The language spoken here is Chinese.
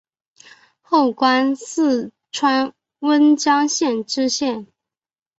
后官四川温江县知县。